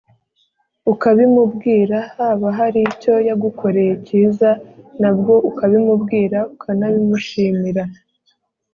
ukabimubwira, haba hari icyo yagukoreye cyiza nabwo ukabimubwira ukanabimushimira,